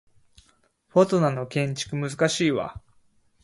フォトナの建築難しいわ